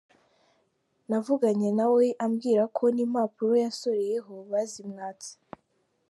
Navuganye na we ambwira ko n’impapuro yasoreyeho bazimwatse.